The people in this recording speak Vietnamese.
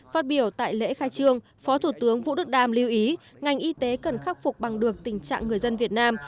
phát biểu tại lễ khai trương phó thủ tướng vũ đức đam lưu ý ngành y tế cần khắc phục bằng được tình trạng người dân việt nam